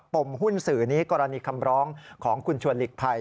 มหุ้นสื่อนี้กรณีคำร้องของคุณชวนหลีกภัย